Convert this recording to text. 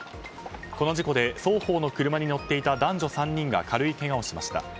この事故で双方の車に乗っていた男女３人が軽いけがをしました。